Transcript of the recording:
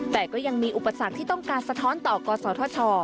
แต่ก็ยังมีอุปสรรคที่ต้องการสะท้อนต่อกศธช